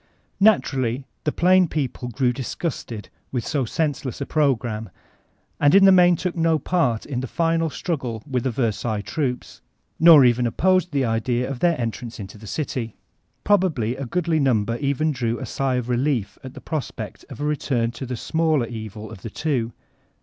Naturally, the plain people grew disgusted with so senseless a program, and in the main took no part in the final struggle with the Versailles troops, nor even op posed the idea of their entrance into the city. Probably a goodly nimiber even drew a sigh of relief at the pros pect of a return to the smaUer evil of the two.